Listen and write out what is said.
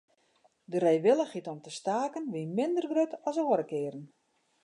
De reewillichheid om te staken wie minder grut as oare kearen.